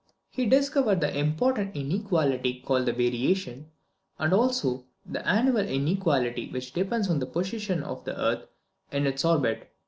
He discovered the important inequality called the variation, and also the annual inequality which depends on the position of the earth in its orbit.